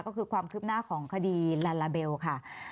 ก็คือความคืบหน้าของคดีลาลาเบลค่ะ